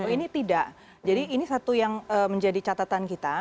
ini tidak jadi ini satu yang menjadi catatan kita